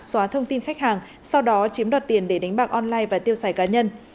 xóa thông tin khách hàng sau đó chiếm đoạt tiền để đánh bạc online và tiêu xài cá nhân